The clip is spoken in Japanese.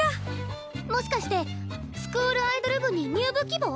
もしかしてスクールアイドル部に入部希望？